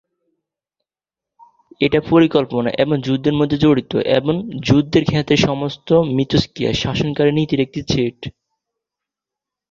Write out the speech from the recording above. এটা পরিকল্পনা, এবং যুদ্ধের মধ্যে জড়িত, এবং যুদ্ধ ক্ষেত্রের সমস্ত মিথস্ক্রিয়া শাসনকারী নীতির একটি সেট।